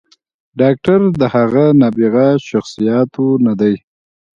“ډاکتر د هغه نابغه شخصياتو نه دے